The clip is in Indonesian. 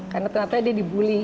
karena ternyata dia di bully